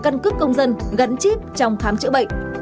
căn cước công dân gắn chip trong khám chữa bệnh